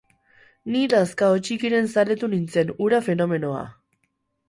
Ni Lazkao Txikiren zaletu nintzen, hura fenomenoa.